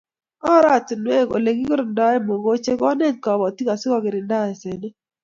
Oratinwek Ole kigirndoe mogochek kenet kobotik asikogirinda asenet